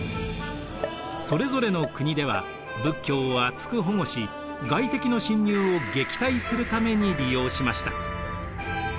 それぞれの国では仏教を厚く保護し外敵の侵入を撃退するために利用しました。